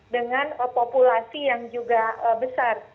dengan populasi yang juga besar